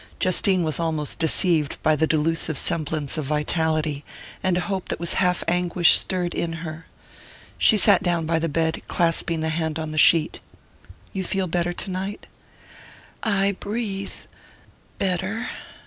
Justine was almost deceived by the delusive semblance of vitality, and a hope that was half anguish stirred in her. She sat down by the bed, clasping the hand on the sheet. "You feel better tonight?" "I breathe...better...."